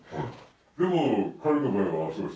でも、彼の場合はそうです。